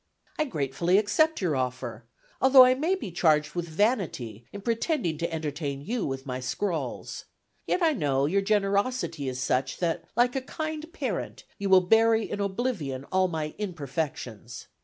"I gratefully accept your offer; although I may be charged with vanity in pretending to entertain you with my scrawls; yet I know your generosity is such, that, like a kind parent, you will bury in oblivion all my imperfections.